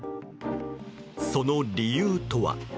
その理由とは？